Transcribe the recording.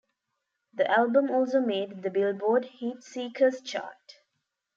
The album also made the "Billboard" Heatseekers chart.